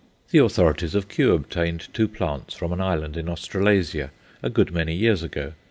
The authorities of Kew obtained two plants from an island in Australasia a good many years ago.